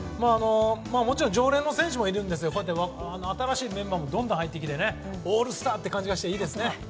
もちろん常連の選手もいますが新しいメンバーもどんどん入ってきてオールスターって感じがしていいですね。